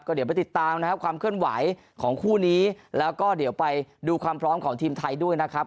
เดี๋ยวไปติดตามนะครับความเคลื่อนไหวของคู่นี้แล้วก็เดี๋ยวไปดูความพร้อมของทีมไทยด้วยนะครับ